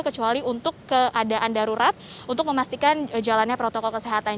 kecuali untuk keadaan darurat untuk memastikan jalannya protokol kesehatan